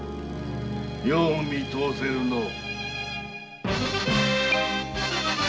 よう見通せるのう。